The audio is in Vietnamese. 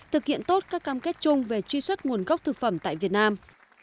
thực hiện tốt các cam kết chung về truy xuất nguồn gốc thực phẩm tại việt nam